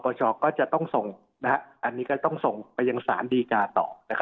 ก็จะต้องส่งอันนี้ก็ต้องส่งไปยังสารดีกาต่อ